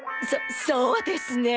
そそうですね。